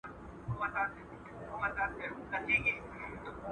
لکه میندي هسي لوڼه لکه ژرندي هسي دوړه ..